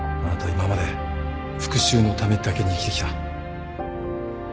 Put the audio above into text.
今まで復讐のためだけに生きてきた。